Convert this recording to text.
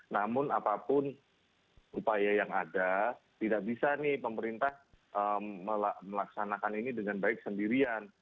namun apapun upaya yang ada tidak bisa nih pemerintah melaksanakan ini dengan baik sendirian